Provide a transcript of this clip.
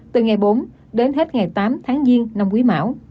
từ ngày bốn đến hết ngày tám tháng giêng năm quý mão